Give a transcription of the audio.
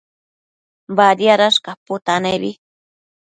Badiadash caputanebi